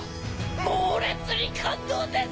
猛烈に感動です！